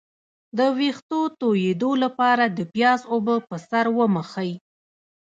د ویښتو تویدو لپاره د پیاز اوبه په سر ومښئ